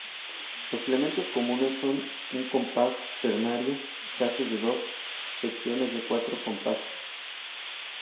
Los elementos comunes son un compás ternario, frases de dos secciones de cuatro compases.